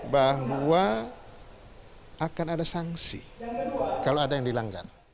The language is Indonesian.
bahwa akan ada sanksi kalau ada yang dilanggar